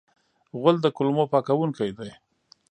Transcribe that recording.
غول د کولمو پاکونکی دی.